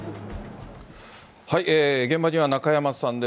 現場には中山さんです。